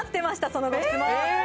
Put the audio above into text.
そのご質問！え！？